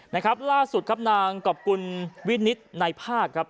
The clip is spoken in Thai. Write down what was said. นะครับล่าสุดครับนางกรอบกุลวินิตในภาคครับ